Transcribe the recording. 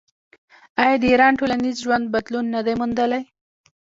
آیا د ایران ټولنیز ژوند بدلون نه دی موندلی؟